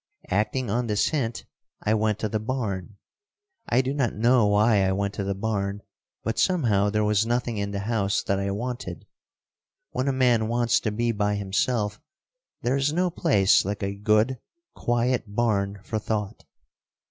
Acting on this hint I went to the barn. I do not know why I went to the barn, but somehow there was nothing in the house that I wanted. When a man wants to be by himself, there is no place like a good, quiet barn for thought.